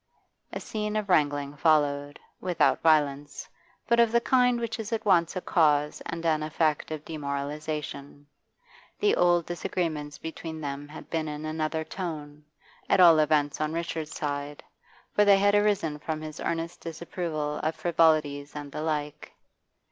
A scene of wrangling followed, without violence, but of the kind which is at once a cause and an effect of demoralisation. The old disagreements between them had been in another tone, at all events on Richard's side, for they had arisen from his earnest disapproval of frivolities and the like.